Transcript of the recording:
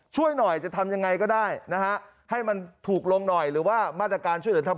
ช่วยหน่อยจะทำยังไงก็ได้นะฮะ